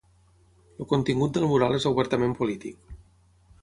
El contingut del mural és obertament polític.